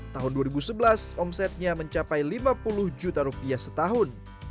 tahun dua ribu sebelas omsetnya mencapai lima puluh juta rupiah setahun